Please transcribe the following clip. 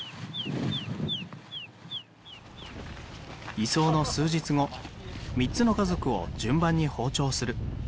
移送の数日後３つの家族を順番に放鳥する。